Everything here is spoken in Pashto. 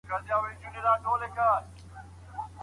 پدغه وخت کي ابليس هغه ته نژدې سي.